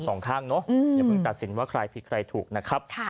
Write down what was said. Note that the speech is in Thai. สองข้างเนอะอย่าเพิ่งตัดสินว่าใครผิดใครถูกนะครับ